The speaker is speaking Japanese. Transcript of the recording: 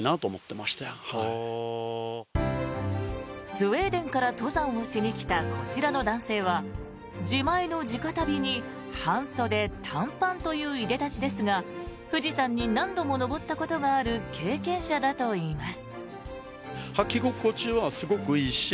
スウェーデンから登山をしに来たこちらの男性は自前の地下足袋に半袖・短パンといういで立ちですが富士山に何度も登ったことがある経験者だといいます。